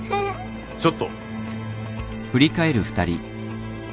ちょっと。